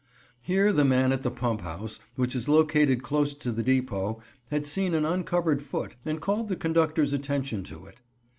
Here the man at the pump house, which is located close to the depot, had seen an uncovered foot, and called the conductor's attention to it.